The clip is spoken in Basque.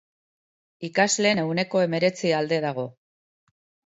Ikasleen ehuneko hemeretzi alde dago.